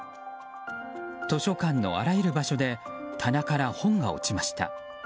図書館のあらゆる場所で棚から本が落ちました。